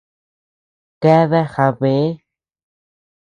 Keadea jabee.